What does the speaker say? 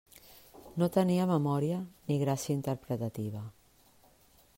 No tenia memòria ni gràcia interpretativa.